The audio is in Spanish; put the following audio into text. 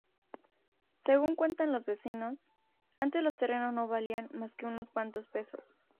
Según cuentan los vecinos, antes los terrenos no valían más que unos cuantos pesos.